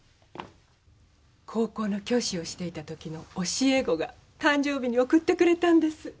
高校の教師をしていたときの教え子が誕生日に贈ってくれたんです。